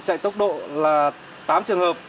chạy tốc độ là tám trường hợp